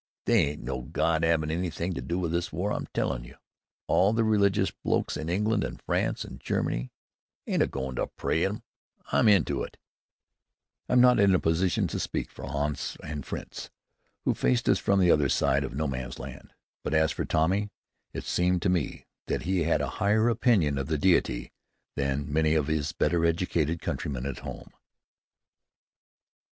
"They ain't no God 'avin' anything to do with this war, I'm telling you! All the religious blokes in England an' France an' Germany ain't a go'n' to pray 'Im into it!" I am not in a position to speak for Hans and Fritz, who faced us from the other side of No Man's Land; but as for Tommy, it seemed to me that he had a higher opinion of the Deity than many of his better educated countrymen at home.